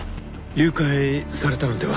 誘拐されたのでは？